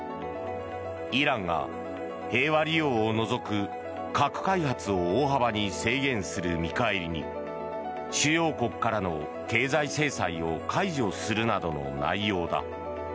イランが平和利用を除く核開発を大幅に制限する見返りに主要国からの経済制裁を解除するなどの内容だ。